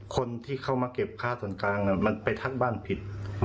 คนที่เข้ามาเก็บค่าส่วนกลางมันไปทักบ้านผิด